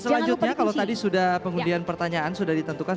selanjutnya kalau tadi sudah pengundian pertanyaan sudah ditentukan